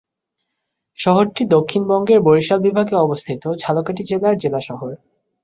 শহরটি দক্ষিণবঙ্গের বরিশাল বিভাগে অবস্থিত ঝালকাঠি জেলার জেলা শহর।